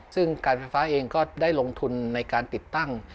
ซึ่งการไฟฟ้าเองก็ได้ลงทุนในการติดตั้ง